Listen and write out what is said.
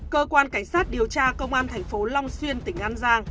cơ quan cảnh sát điều tra công an thành phố long xuyên tỉnh an giang